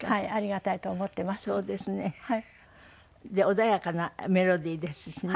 穏やかなメロディーですね。